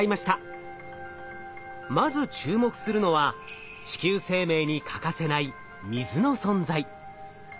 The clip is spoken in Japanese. まず注目するのは地球生命に欠かせない水の存在。